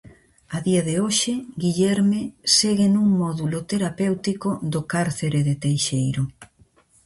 A día de hoxe Guillerme segue nun módulo terapéutico do cárcere de Teixeiro.